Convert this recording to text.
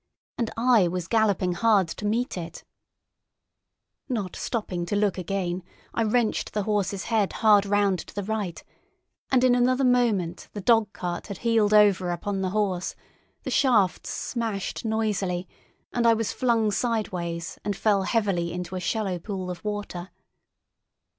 And I was galloping hard to meet it! At the sight of the second monster my nerve went altogether. Not stopping to look again, I wrenched the horse's head hard round to the right and in another moment the dog cart had heeled over upon the horse; the shafts smashed noisily, and I was flung sideways and fell heavily into a shallow pool of water.